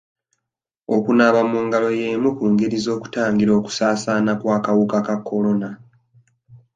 Okunaaba mu ngalo y'emu ku ngeri z'okutangira okusaasaana k'akawuka ka kolona.